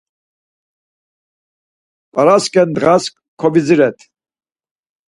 P̌araske ndğas kovidziret.